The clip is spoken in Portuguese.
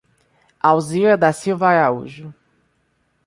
Alzira da Silva Araújo